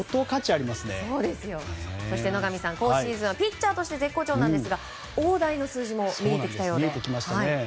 そして野上さん、今シーズンはピッチャーとして絶好調なんですが大台の数字も見えてきましたね。